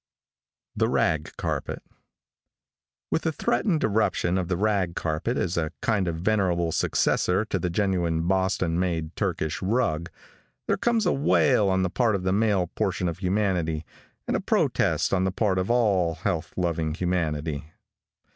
THE RAG CARPET. |WITH the threatened eruption of the rag carpet as a kind of venerable successor to the genuine Boston made Turkish rug, there comes a wail on the part of the male portion of humanity, and a protest on the part of all health loving humanity.